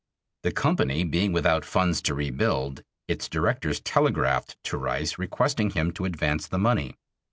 The company being without funds to rebuild, its directors telegraphed to Rice requesting him to advance the money.